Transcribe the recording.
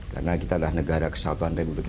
karena kita adalah negara kesatuan rembut indonesia